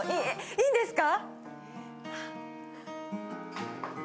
いいんですか！